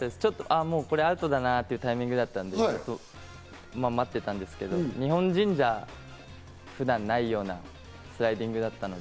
これアウトだなぁというタイミングだったんで待ってたんですけど、日本人じゃ普段ないようなスライディングだったので。